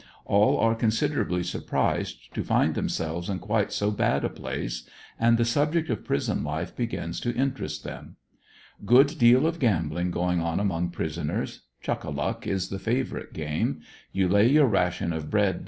All are considerably surprised to find themselves in quite so bad a place, and the subject of prison life begins to interest them. Good deal of gambling going on among prisoners. Chuck a luck is the favorite game. You lay your ration of bread ANDERSONVILLE DIABY.